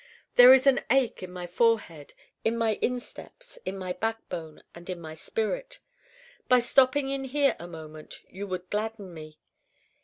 There is an ache in my forehead, in my insteps, in my backbone and in my spirit. By stopping in here a moment you would gladden me.